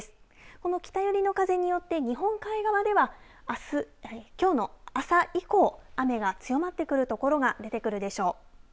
この北寄りの風によって日本海側ではきょうの朝以降雨が強まってくる所が出てくるでしょう。